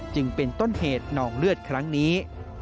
จึงเป็นต้นเหตุนองเลือดครั้งนี้